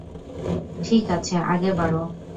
ঠিক আছে, আগে বাড়ো।